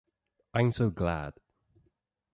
I’m so glad.